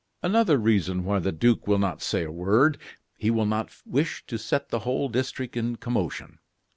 "Another reason why the duke will not say a word; he will not wish to set the whole district in commotion.